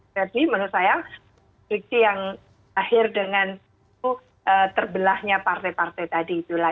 jadi menurut saya friksi yang terakhir dengan terbelahnya partai partai tadi itulah